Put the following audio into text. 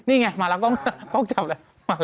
นี่ไงมาแล้วกล้องจับเลย